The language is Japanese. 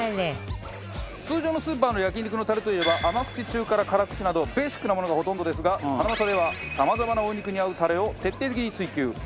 通常のスーパーの焼肉のタレといえば甘口中辛辛口などベーシックなものがほとんどですがハナマサではさまざまなお肉に合うタレを徹底的に追求。